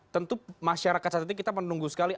tentu masyarakat saat ini kita menunggu sekali